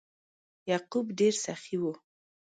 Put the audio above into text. یعقوب ډیر سخي و.